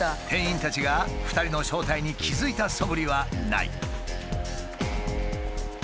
店員たちが２人の正体に気付いたそぶりはない。